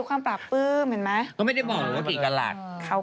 ก็ว่าที่เช้า